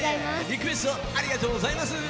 リクエストありがとうございます！